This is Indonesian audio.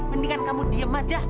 mendingan kamu diem aja